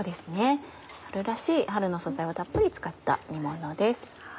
春らしい春の素材をたっぷり使った煮ものです。